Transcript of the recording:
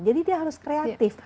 jadi dia harus kreatif